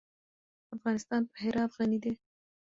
افغانستان په هرات غني دی.